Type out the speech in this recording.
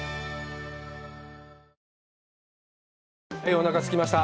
おなかすきました。